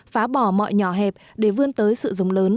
phá bỏ mọi nhỏ hẹp để vươn tới sự rồng lớn